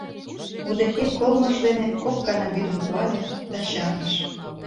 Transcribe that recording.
Удэхей кольмыж дене кок гана вӱдым куале да чарныш.